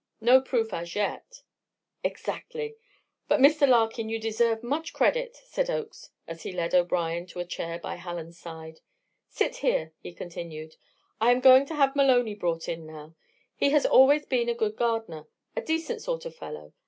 "No proof as yet." "Exactly! But, Mr. Larkin, you deserve much credit," said Oakes, as he led O'Brien to a chair by Hallen's side. "Sit here," he continued. "I am going to have Maloney brought in now. He has always been a good gardener a decent sort of fellow.